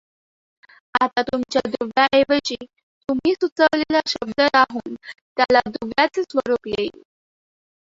आता तुमच्या दुव्याऐवजी तुम्ही सुचवलेला शब्द राहून त्याला दुव्याचे स्वरूप येईल.